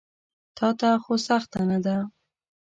تاته خو سخته نه ده.